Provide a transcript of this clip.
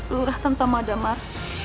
lurah tamtama damar